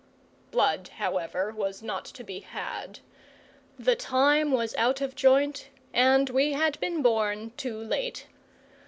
Blood, however, was not to be had. The time was out of joint, and we had been born too late.